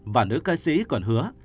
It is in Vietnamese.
và nữ ca sĩ còn hứa